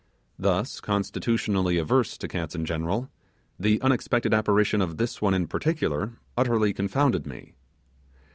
Thus constitutionally averse to cats in general, the unexpected apparition of this one in particular utterly confounded me.